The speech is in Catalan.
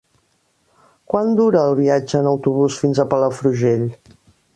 Quant dura el viatge en autobús fins a Palafrugell?